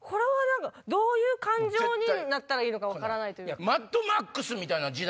どういう感情になったらいいのか分からないというか。